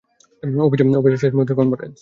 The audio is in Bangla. অফিসে শেষ মুহূর্তের কনফারেন্স।